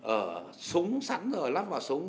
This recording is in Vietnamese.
ở súng sẵn rồi lắp vào súng